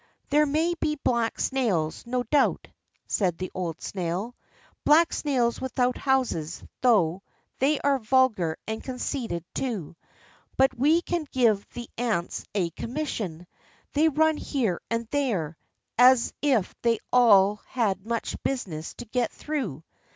"There may be black snails, no doubt," said the old snail; "black snails without houses; though they are vulgar and conceited too. But we can give the ants a commission; they run here and there, as if they all had much business to get through.